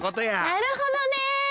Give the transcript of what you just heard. なるほどね！